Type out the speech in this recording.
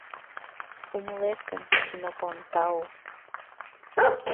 — Умылет гын, Синопон, тау!